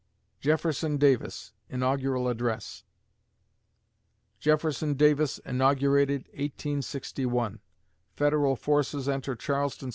JEFFERSON DAVIS (Inaugural Address) Jefferson Davis inaugurated, 1861 _Federal forces enter Charleston, S.